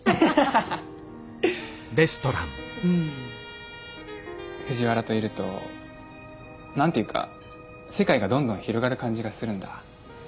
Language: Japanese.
うん藤原といると何て言うか世界がどんどん広がる感じがするんだ。